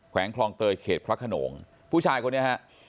วงคลองเตยเขตพระขนงผู้ชายคนนี้ฮะ